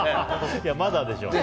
まだでしょう。